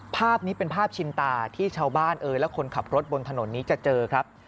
ภาพนี้เป็นภาพชินตาที่ชาวบ้านเอ่ยและคนขับรถบนถนนนี้จะเจอครับ